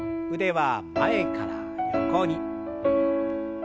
腕は前から横に。